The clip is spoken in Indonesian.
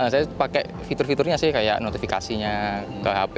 saya pakai fitur fiturnya sih kayak notifikasinya ke hp